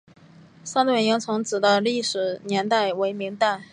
三屯营城址的历史年代为明代。